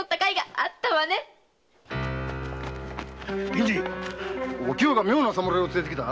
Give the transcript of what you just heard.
銀次お清が妙な侍を連れてきた？